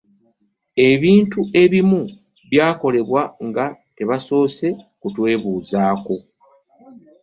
Ebintu ebimu byakolebwa nga tebasoose kutwebuuzaako.